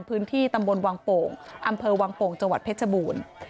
พื้นที่ตำบลวังโป่งอำเภอวังโป่งจังหวัดเพชรบูรณ์